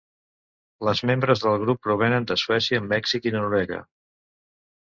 Les membres del grup provenen de Suècia, Mèxic i Noruega.